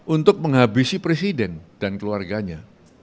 untuk menghabisi presiden dan keluarganya